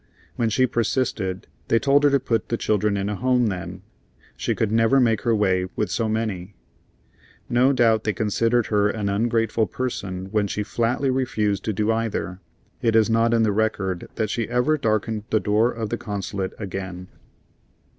When she persisted, they told her to put the children in a home, then; she could never make her way with so many. No doubt they considered her an ungrateful person when she flatly refused to do either. It is not in the record that she ever darkened the door of the Consulate again.